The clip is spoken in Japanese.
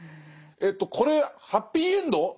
えとこれハッピーエンド？